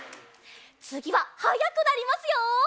つぎははやくなりますよ！